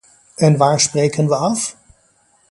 En waar spreken we af?